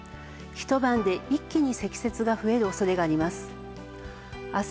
一晩で一気に積雪が増える恐れがあります。